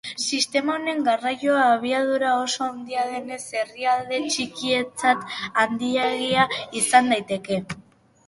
Sistema honen garraio abiadura oso handia denez, herrialde txikientzat handiegia izan daiteke.